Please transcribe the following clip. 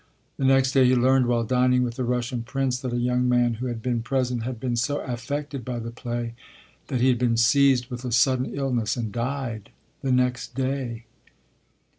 The next day he learned, while dining with a Russian prince, that a young man who had been present had been so affected by the play that he had been seized with a sudden illness and died the next day.